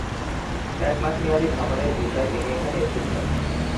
এক মাস মেয়াদি ভ্রমণের ভিসায় তিনি এখানে এসেছেন।